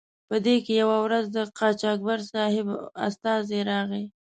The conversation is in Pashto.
په دې کې یوه ورځ د قاچاقبر صاحب استازی راغی.